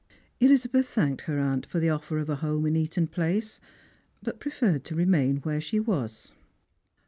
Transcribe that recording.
Elizabeth thanked her aunt for tht! offer of a home in Eaton place, but preferred to remain •V7,'^ere she was.